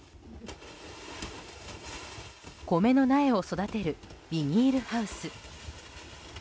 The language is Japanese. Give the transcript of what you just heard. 米の苗を育てるビニールハウス。